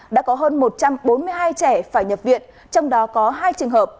đã có hơn một trăm bốn mươi hai trẻ phải nhập viện trong đó có hai trường hợp